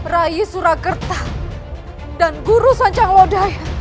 rai surakerta dan guru sancang lodai